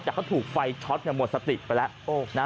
แต่เขาถูกไฟช็อตหมดสติไปแล้ว